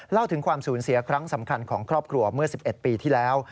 เล่าถึงความสูญเสียครั้งสำคัญของครอบครัวเมื่อ๑๑ปีที่แล้ว